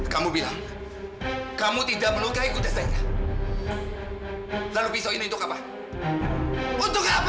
kamu bilang kamu tidak melukai kute saya lalu pisau ini untuk apa untuk apa